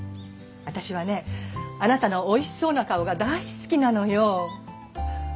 私はねあなたのおいしそうな顔が大好きなのよ。